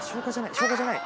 消化じゃない？